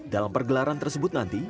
dalam pergelaran tersebut nanti